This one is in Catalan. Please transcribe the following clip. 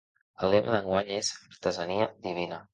El lema d’enguany és ‘artesania divina’.